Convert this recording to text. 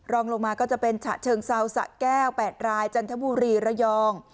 รองลงมาก็จะเป็นฉะเชิงเซาสะแก้ว๘รายจันทบุรีระยอง